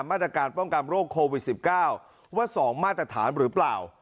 มาตรการป้องกับโรคโควิดสิบเก้าว่าสองมาตรฐานหรือเปล่า